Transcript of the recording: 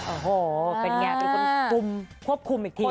โอ้โหเป็นไงเป็นคนคุมควบคุมอีกที